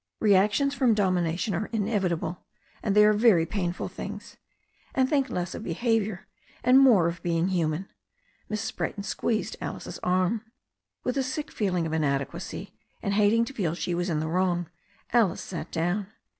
Reactions from domi nation are inevitable. And they are very painful things. And think less of behaviour and more of being human." Mrs. Brayton squeezed Alice's arn. With a sick feeling of inadequacy, and hating to feel she was in the wrong, Alice sat down.